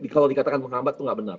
kalau dikatakan menghambat itu nggak benar